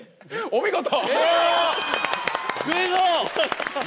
お見事。